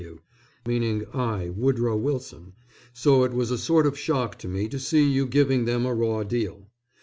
W. W. meaning I. Woodrow Wilson. So it was a sort of shock to me to see you giving them a raw deal.